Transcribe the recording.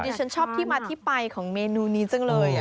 ฉันชอบที่มาที่ไปของเมนูนี้จังเลย